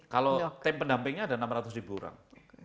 kalau tim pendampingnya ada enam ratus ribu orang